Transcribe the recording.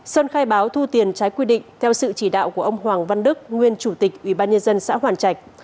sơn khai báo thu tiền trái quy định theo sự chỉ đạo của ông hoàng văn đức nguyên chủ tịch ủy ban nhân dân xã hoàn trạch